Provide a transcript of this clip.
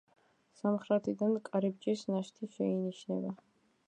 სამხრეთიდან კარიბჭის ნაშთი შეინიშნება.